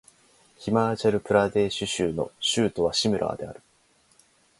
ヒマーチャル・プラデーシュ州の州都はシムラーである